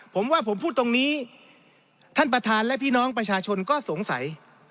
ผมว่าผมพูดตรงนี้ท่านประธานและพี่น้องประชาชนก็สงสัย